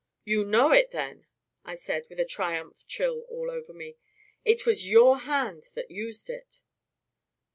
"You know it, then?" I said, with a triumph chill all over me. "It was your hand that used it."